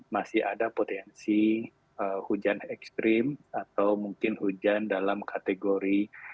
masih ada potensi hujan ekstrim atau mungkin hujan dalam kategori